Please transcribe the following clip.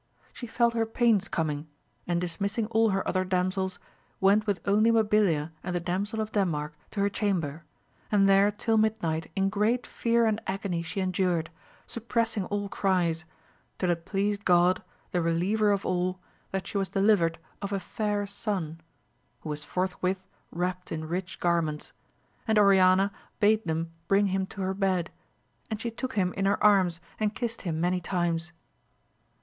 She felt her pains coming, and dismissing all her other damsels, went with only Mabilia and the Damsel of Denmark to her chamber, and there till midnight in great fear and agony she endured, suppressing all cries, till it pleased Gk)d, the reliever of all, that she was delivered of a fair son, who was forthwith wrapt in rich garments ; and Oriana bade them bring him to her bed, and she took him in her arms and kissed him many times.